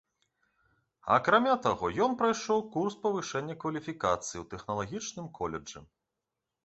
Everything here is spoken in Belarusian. Акрамя таго, ён прайшоў курс павышэння кваліфікацыі ў тэхналагічным каледжы.